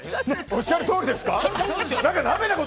おっしゃるとおりですか？